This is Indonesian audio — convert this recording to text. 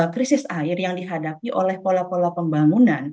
krisis air yang dihadapi oleh pola pola pembangunan